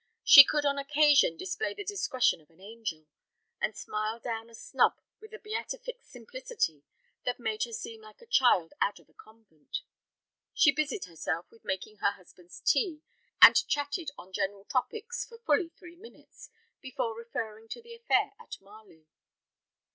She could on occasion display the discretion of an angel, and smile down a snub with a beatific simplicity that made her seem like a child out of a convent. She busied herself with making her husband's tea, and chatted on general topics for fully three minutes before referring to the affair at Marley.